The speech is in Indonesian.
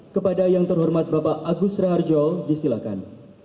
kepada yang terhormat bapak agus raharjo disilakan